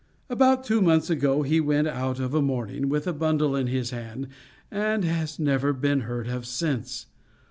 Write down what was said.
About two months ago, he went out of a morning, with a bundle in his hand and has never been heard of since.